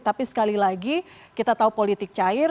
tapi sekali lagi kita tahu politik cair